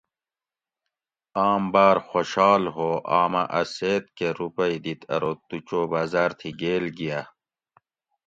آم باۤر خوشاۤل ہو آمہ اۤ سیت کہ روپئ دیت ارو تو چو بازار تھی گیل گیۂ